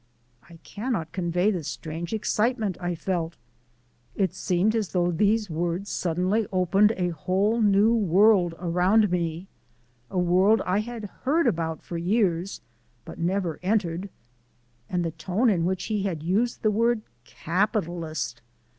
I cannot convey the strange excitement I felt. It seemed as though these words suddenly opened a whole new world around me a world I had heard about for years, but never entered. And the tone in which he had used the word "capitalist!"